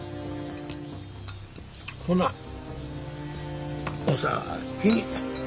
ほなお先に。